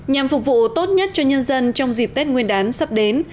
nhằm phục vụ tốt nhất cho nhân dân trong dịp tết nguyên đán sắp đến